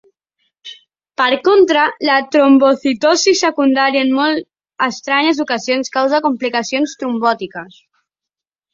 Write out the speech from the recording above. Per contra, la trombocitosi secundària en molt estranyes ocasions causa complicacions trombòtiques.